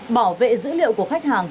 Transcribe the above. bảo vệ dữ liệu của khách hàng